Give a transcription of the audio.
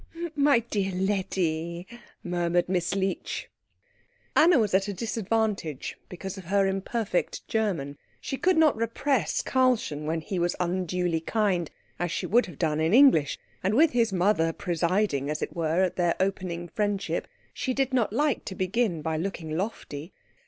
"My dear Letty," murmured Miss Leech. Anna was at a disadvantage because of her imperfect German. She could not repress Karlchen when he was unduly kind as she would have done in English, and with his mother presiding, as it were, at their opening friendship, she did not like to begin by looking lofty.